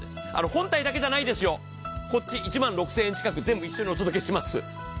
本体だけじゃないですよ、こっち１万６０００円近く全部一緒にお届けします。